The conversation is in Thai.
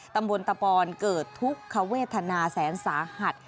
ตำบลตะปอนเกิดทุกขเวทนาแสนสาหัส